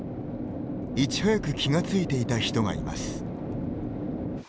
いち早く気がついていた人がいます。